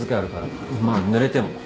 まあぬれても。